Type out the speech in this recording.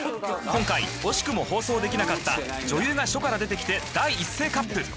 今回惜しくも放送できなかった女優が署から出てきて第一声 ＣＵＰ